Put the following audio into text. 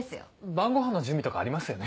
晩ごはんの準備とかありますよね。